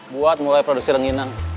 buat mulai produksi lenginang